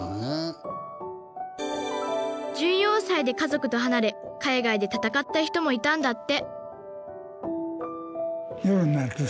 １４歳で家族と離れ海外で戦った人もいたんだって